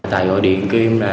tài gọi điện kiếm